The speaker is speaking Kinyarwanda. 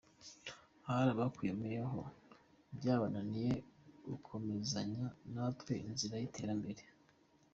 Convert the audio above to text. Hari abatwiyomoyeho byabananiye gukomezanya na twe inzira y’iterambere.